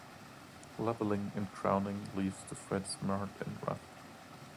Leveling and crowning leaves the frets marred and rough.